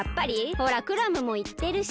ほらクラムもいってるし。